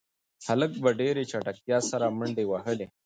هلک په ډېرې چټکتیا سره منډې وهلې.